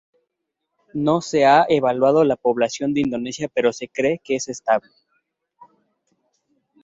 No se ha evaluado la población de Indonesia pero se cree que es estable.